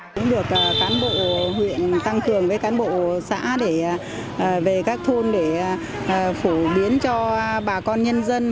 cũng được cán bộ huyện tăng cường với cán bộ xã để về các thôn để phổ biến cho bà con nhân dân